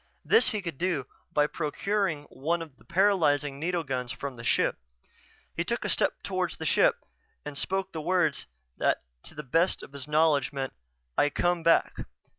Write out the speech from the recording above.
This he could do by procuring one of the paralyzing needle guns from the ship. He took a step toward the ship and spoke the words that to the best of his knowledge meant: "I come back."